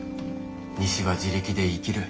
西は自力で生きる。